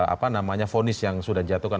apa namanya vonis yang sudah dijatuhkan